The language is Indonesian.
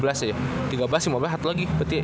tiga belas lima belas lagi berarti